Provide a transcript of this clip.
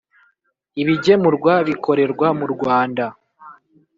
ibigemurwa bikorerwa mu Rwanda